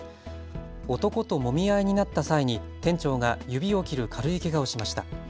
男ともみ合いになった際に店長が指を切る軽いけがをしました。